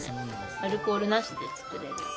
アルコールなしで作れる。